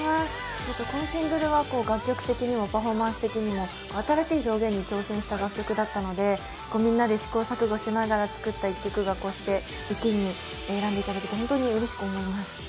このシングルは楽曲的にもパフォーマンス的にも新しい表現に挑戦した楽曲なのでみんなで試行錯誤しながら作った一曲がこうして１位に選んでいただけて、本当にうれしく思います。